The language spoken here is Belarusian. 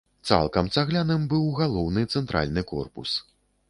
Цалкам цагляным быў галоўны цэнтральны корпус.